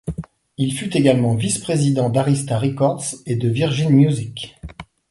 Il fut également vice-président d'Arista Records et de Virgin Music.